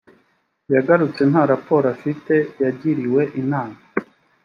yagarutse nta raporo afite yagiriwe inama